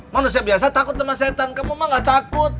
manusia biasa takut sama setan kamu mah gak takut